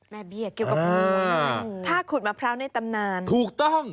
เบี้ยเกี่ยวกับงูถ้าขุดมะพร้าวในตำนานถูกต้อง